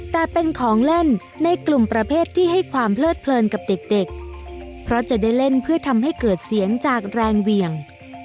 แต่เป็นของเล่นในกลุ่มประเภทที่ให้ความเพลิดเพลินกับเด็กเพราะจะได้เล่นเพื่อทำให้เกิดเสียงจากแรงเหวี่ยง